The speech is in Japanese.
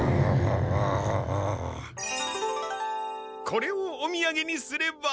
これをおみやげにすれば。